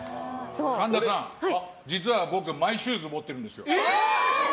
神田さん、実は僕マイシューズ持ってるんですよ。